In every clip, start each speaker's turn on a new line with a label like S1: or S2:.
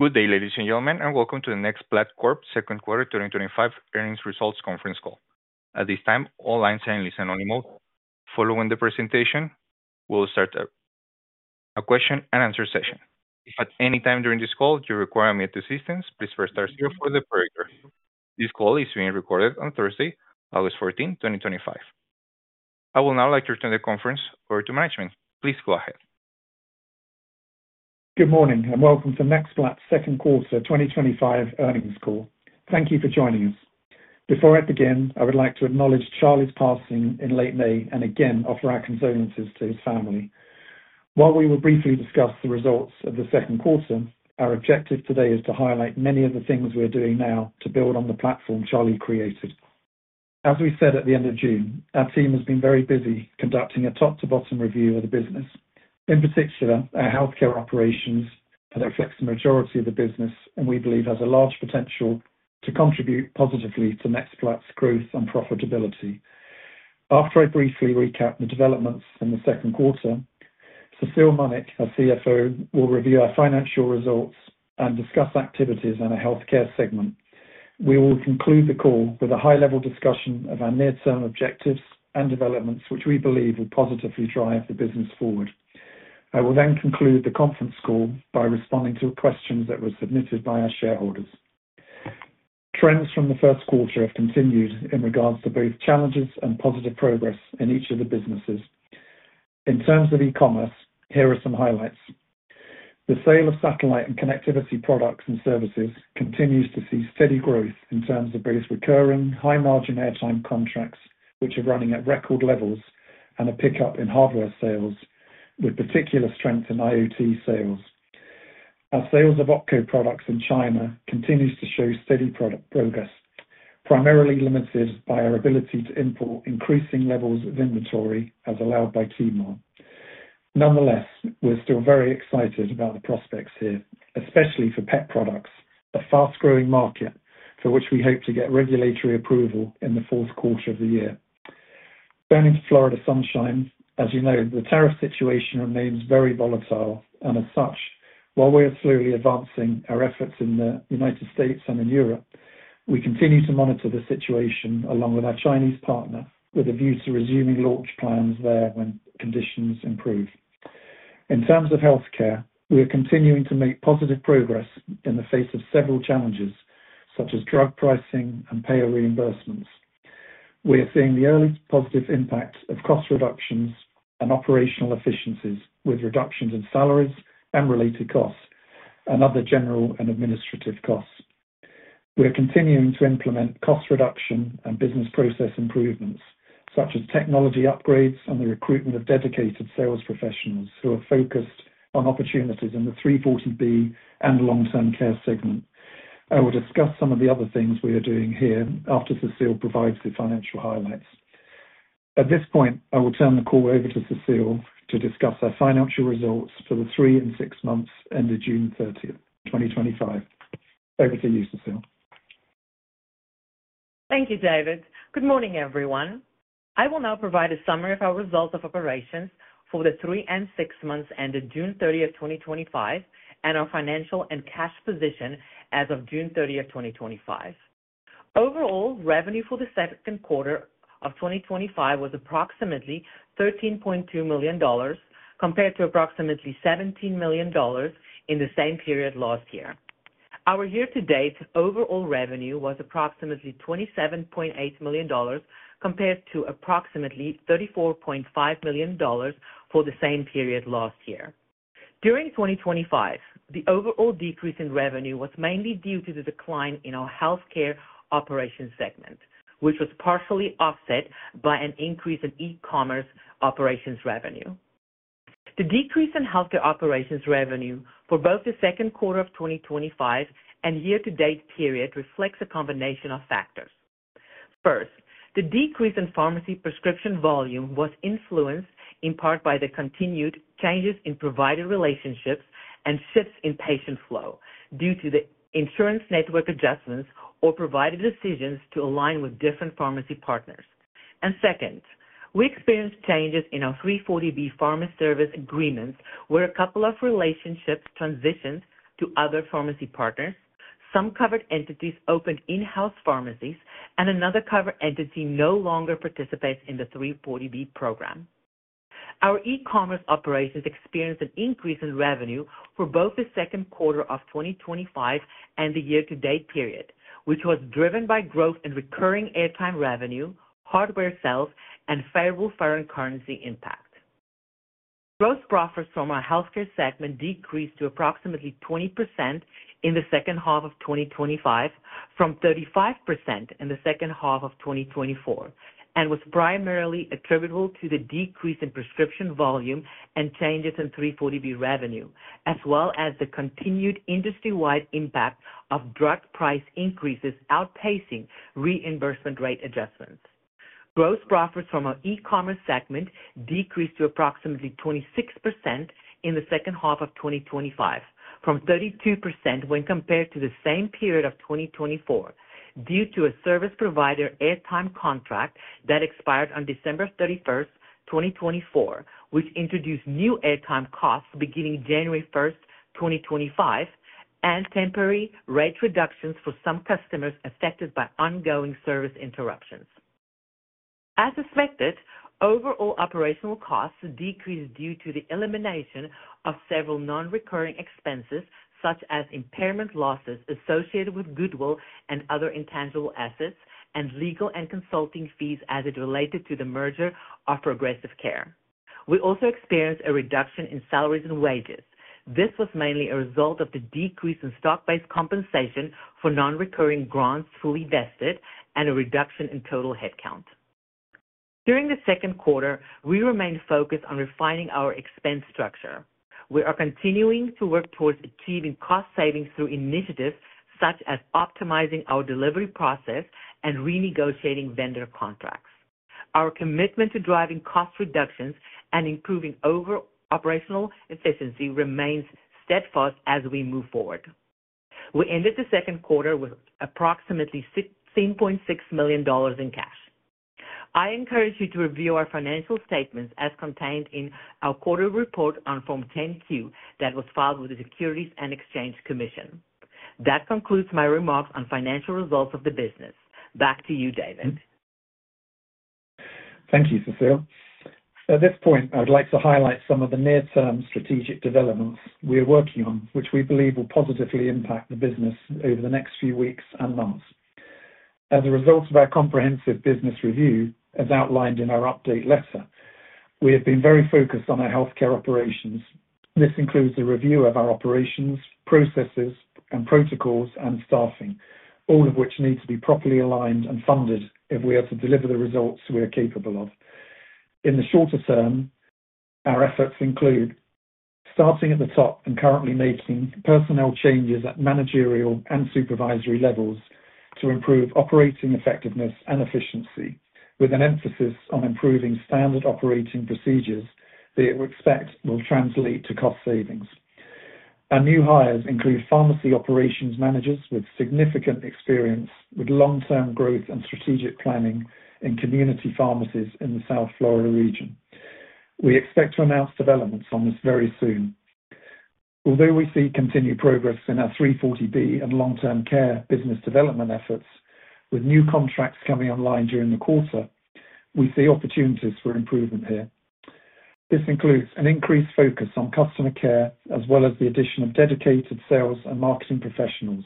S1: Good day, ladies and gentlemen, and welcome to the NextPlat Corp Second Quarter 2025 Earnings Results Conference Call. At this time, all lines are in listen-only mode. Following the presentation, we will start a question-and-answer session. If at any time during this call you require immediate assistance, please press star here for the operator. This call is being recorded on Thursday, August 14, 2025. I will now like to return the conference over to management. Please go ahead.
S2: Good morning and welcome to [NextPlat Corp]'s Second Quarter 2025 Earnings Call. Thank you for joining us. Before I begin, I would like to acknowledge Charlie's passing in late May and again offer our condolences to his family. While we will briefly discuss the results of the second quarter, our objective today is to highlight many of the things we are doing now to build on the platform Charlie created. As we said at the end of June, our team has been very busy conducting a top-to-bottom review of the business. In particular, our healthcare operations that affect the majority of the business, and we believe has a large potential to contribute positively to [NextPlat Corp]'s growth and profitability. After I briefly recap the developments in the second quarter, Cecile Munnik, our CFO, will review our financial results and discuss activities in our healthcare segment. We will conclude the call with a high-level discussion of our near-term objectives and developments, which we believe will positively drive the business forward. I will then conclude the conference call by responding to questions that were submitted by our shareholders. Trends from the first quarter have continued in regards to both challenges and positive progress in each of the businesses. In terms of e-commerce, here are some highlights. The sale of satellite and connectivity products and services continues to see steady growth in terms of both recurring high-margin airtime contracts, which are running at record levels, and a pickup in hardware sales, with particular strength in IoT sales. Our sales of OPKO products in China continue to show steady product progress, primarily limited by our ability to import increasing levels of inventory as allowed by Tmall. Nonetheless, we're still very excited about the prospects here, especially for pet products, a fast-growing market for which we hope to get regulatory approval in the fourth quarter of the year. Turning to Florida Sunshine, as you know, the tariff situation remains very volatile, and as such, while we are slowly advancing our efforts in the United States and in Europe, we continue to monitor the situation along with our Chinese partner, with a view to resuming launch plans there when conditions improve. In terms of healthcare, we are continuing to make positive progress in the face of several challenges, such as drug pricing and payer reimbursements. We are seeing the early positive impacts of cost reductions and operational efficiencies, with reductions in salaries and related costs and other general and administrative costs. We are continuing to implement cost reduction and business process improvements, such as technology upgrades and the recruitment of dedicated sales professionals who are focused on opportunities in the 340B and long-term care segment. I will discuss some of the other things we are doing here after Cecile provides the financial highlights. At this point, I will turn the call over to Cecile to discuss our financial results for the three and six months ended June 30, 2025. Over to you, Cecile.
S3: Thank you, David. Good morning, everyone. I will now provide a summary of our results of operations for the three and six months ended June 30th, 2025, and our financial and cash position as of June 30th, 2025. Overall revenue for the second quarter of 2025 was approximately $13.2 million, compared to approximately $17 million in the same period last year. Our year-to-date overall revenue was approximately $27.8 million, compared to approximately $34.5 million for the same period last year. During 2025, the overall decrease in revenue was mainly due to the decline in our healthcare operations segment, which was partially offset by an increase in e-commerce operations revenue. The decrease in healthcare operations revenue for both the second quarter of 2025 and year-to-date period reflects a combination of factors. First, the decrease in pharmacy prescription volume was influenced in part by the continued changes in provider relationships and shifts in patient flow due to the insurance network adjustments or provider decisions to align with different pharmacy partners. Second, we experienced changes in our 340B pharmacy service agreements where a couple of relationships transitioned to other pharmacy partners. Some covered entities opened in-house pharmacies, and another covered entity no longer participates in the 340B program. Our e-commerce operations experienced an increase in revenue for both the second quarter of 2025 and the year-to-date period, which was driven by growth in recurring airtime revenue, hardware sales, and favorable foreign currency impact. Gross profits from our healthcare segment decreased to approximately 20% in the second half of 2025, from 35% in the second half of 2024, and was primarily attributable to the decrease in prescription volume and changes in 340B revenue, as well as the continued industry-wide impact of drug price increases outpacing reimbursement rate adjustments. Gross profits from our e-commerce segment decreased to approximately 26% in the second half of 2025, from 32% when compared to the same period of 2024, due to a service provider airtime contract that expired on December 31st, 2024, which introduced new airtime costs beginning January 1st, 2025, and temporary rate reductions for some customers affected by ongoing service interruptions. As expected, overall operational costs decreased due to the elimination of several non-recurring expenses, such as impairment losses associated with goodwill and other intangible assets, and legal and consulting fees as it related to the merger of Progressive Care. We also experienced a reduction in salaries and wages. This was mainly a result of the decrease in stock-based compensation for non-recurring grants fully vested and a reduction in total headcount. During the second quarter, we remained focused on refining our expense structure. We are continuing to work towards achieving cost savings through initiatives such as optimizing our delivery process and renegotiating vendor contracts. Our commitment to driving cost reductions and improving overall operational efficiency remains steadfast as we move forward. We ended the second quarter with approximately $16.6 million in cash. I encourage you to review our financial statements as contained in our quarterly report on Form 10-Q that was filed with the Securities and Exchange Commission. That concludes my remarks on financial results of the business. Back to you, David.
S2: Thank you, Cecile. At this point, I would like to highlight some of the near-term strategic developments we are working on, which we believe will positively impact the business over the next few weeks and months. As a result of our comprehensive business review, as outlined in our update letter, we have been very focused on our healthcare operations. This includes a review of our operations, processes, protocols, and staffing, all of which need to be properly aligned and funded if we are to deliver the results we are capable of. In the shorter term, our efforts include starting at the top and currently making personnel changes at managerial and supervisory levels to improve operating effectiveness and efficiency, with an emphasis on improving standard operating procedures that we expect will translate to cost savings. Our new hires include pharmacy operations managers with significant experience with long-term growth and strategic planning in community pharmacies in the South Florida region. We expect to announce developments on this very soon. Although we see continued progress in our 340B and long-term care business development efforts, with new contracts coming online during the quarter, we see opportunities for improvement here. This includes an increased focus on customer care, as well as the addition of dedicated sales and marketing professionals,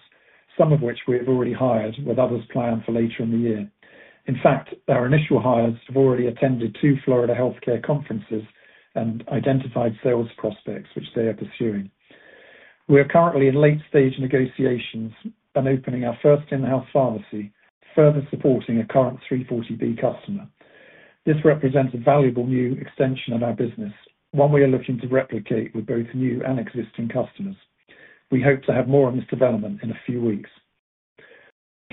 S2: some of which we have already hired, with others planned for later in the year. In fact, our initial hires have already attended two Florida healthcare conferences and identified sales prospects which they are pursuing. We are currently in late-stage negotiations and opening our first in-house pharmacy, further supporting a current 340B customer. This represents a valuable new extension of our business, one we are looking to replicate with both new and existing customers. We hope to have more on this development in a few weeks.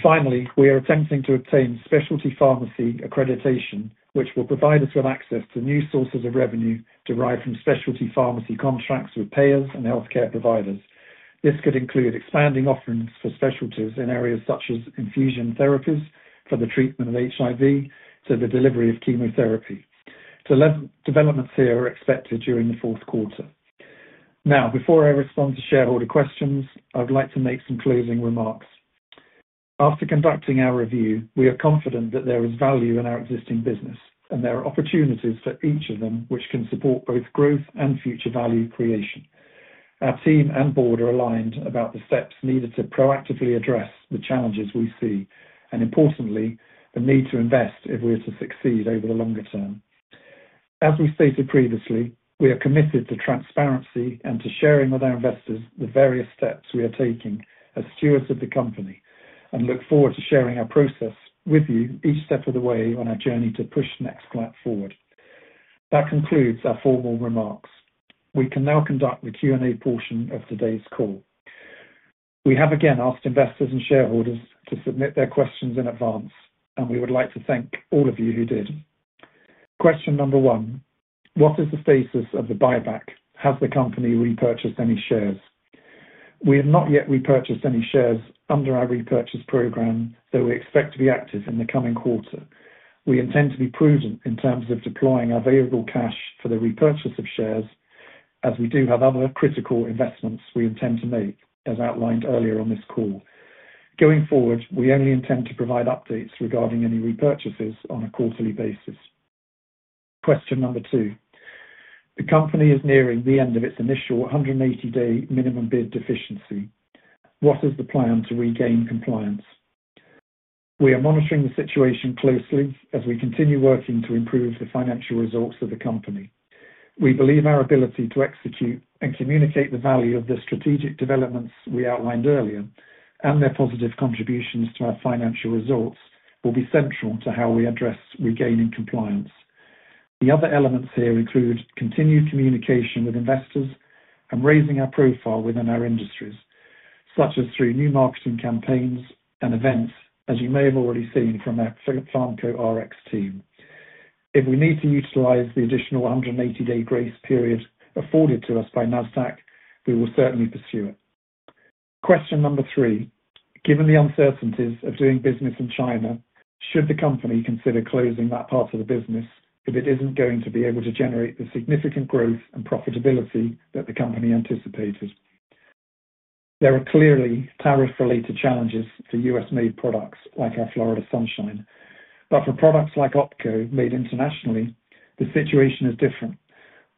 S2: Finally, we are attempting to obtain specialty pharmacy accreditation, which will provide us with access to new sources of revenue derived from specialty pharmacy contracts with payers and healthcare providers. This could include expanding offerings for specialties in areas such as infusion therapies for the treatment of HIV to the delivery of chemotherapy. Developments here are expected during the fourth quarter. Now, before I respond to shareholder questions, I would like to make some closing remarks. After conducting our review, we are confident that there is value in our existing business, and there are opportunities for each of them which can support both growth and future value creation. Our team and Board are aligned about the steps needed to proactively address the challenges we see, and importantly, the need to invest if we are to succeed over the longer term. As we stated previously, we are committed to transparency and to sharing with our investors the various steps we are taking as stewards of the company, and look forward to sharing our process with you each step of the way on our journey to push [NextPlat Corp] forward. That concludes our formal remarks. We can now conduct the Q&A portion of today's call. We have again asked investors and shareholders to submit their questions in advance, and we would like to thank all of you who did. Question number one, what is the status of the buyback? Has the company repurchased any shares? We have not yet repurchased any shares under our repurchase program, though we expect to be active in the coming quarter. We intend to be prudent in terms of deploying our variable cash for the repurchase of shares, as we do have other critical investments we intend to make, as outlined earlier on this call. Going forward, we only intend to provide updates regarding any repurchases on a quarterly basis. Question number two, the company is nearing the end of its initial 180-day minimum bid deficiency. What is the plan to regain compliance? We are monitoring the situation closely as we continue working to improve the financial results of the company. We believe our ability to execute and communicate the value of the strategic developments we outlined earlier and their positive contributions to our financial results will be central to how we address regaining compliance. The other elements here include continued communication with investors and raising our profile within our industries, such as through new marketing campaigns and events, as you may have already seen from our [PhilRx] team. If we need to utilize the additional 180-day grace period afforded to us by NASDAQ, we will certainly pursue it. Question number three, given the uncertainties of doing business in China, should the company consider closing that part of the business if it isn't going to be able to generate the significant growth and profitability that the company anticipated? There are clearly tariff-related challenges for U.S.-made products like our Florida Sunshine, but for products like OPKO made internationally, the situation is different.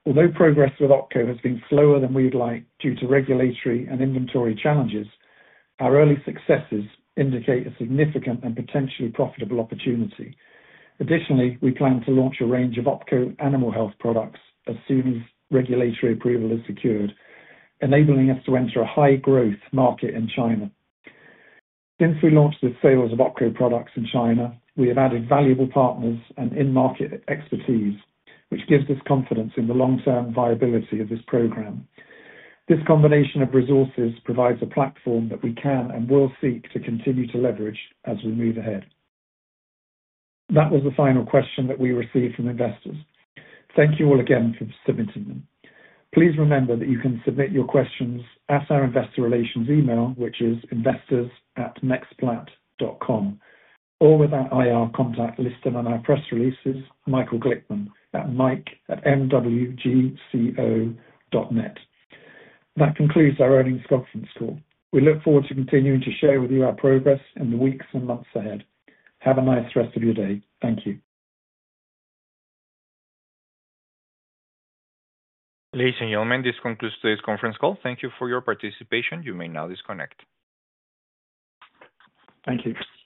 S2: Although progress with OPKO has been slower than we would like due to regulatory and inventory challenges, our early successes indicate a significant and potentially profitable opportunity. Additionally, we plan to launch a range of OPKO animal health products as soon as regulatory approval is secured, enabling us to enter a high-growth market in China. Since we launched the sales of OPKO products in China, we have added valuable partners and in-market expertise, which gives us confidence in the long-term viability of this program. This combination of resources provides a platform that we can and will seek to continue to leverage as we move ahead. That was the final question that we received from investors. Thank you all again for submitting them. Please remember that you can submit your questions at our investor relations email, which is investors@nextplat.com, or with our contact listed on our press releases, Michael Glickman, that's Mike at mwgco.net. That concludes our earnings conference call. We look forward to continuing to share with you our progress in the weeks and months ahead. Have a nice rest of your day. Thank you.
S1: Ladies and gentlemen, this concludes today's conference call. Thank you for your participation. You may now disconnect.
S2: Thank you.